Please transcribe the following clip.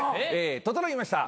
整いました。